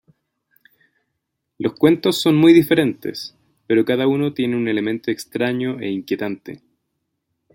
Los cuentos son muy diferentes, pero cada uno tiene un elemento extraño e inquietante.